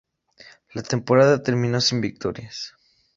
La temporada terminó sin victorias.